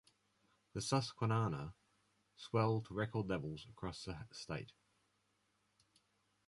The Susquehanna swelled to record levels across the state.